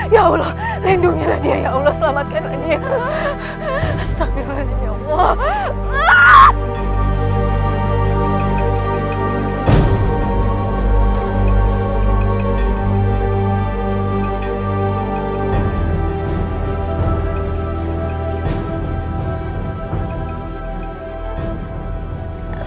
ya allah lindungilah dia ya allah selamatkanlah dia astagfirullahaladzim ya allah